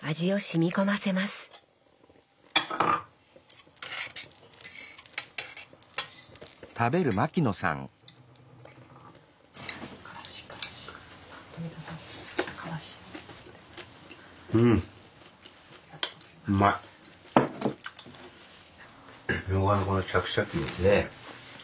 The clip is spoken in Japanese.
みょうがのこのシャキシャキのね。